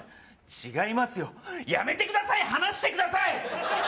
違いますよやめてくださいよ離してください！